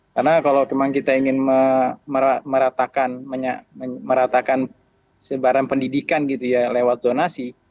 karena kalau memang kita ingin meratakan sebarang pendidikan lewat zonasi